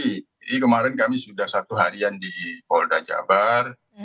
jadi kemarin kami sudah satu harian di polda jabar